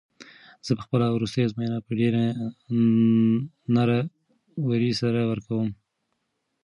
زه به خپله وروستۍ ازموینه په ډېرې نره ورۍ سره ورکوم.